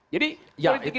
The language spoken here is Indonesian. jadi boleh dikirain